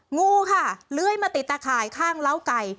งูค่ะเลื้อยมาติดตะข่ายข้างเล้าไก่